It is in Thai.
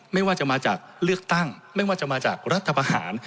ไม่ว่าจะมาจากเลือกตั้งไม่ว่าจะมาจากรัฐประหาร